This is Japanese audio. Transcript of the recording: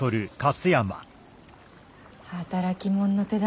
働き者の手だ。